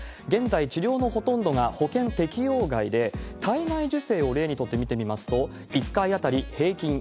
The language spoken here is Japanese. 現在治療のほとんどが保険適用外で、体外受精を例にとって見ますと、１回当たり平均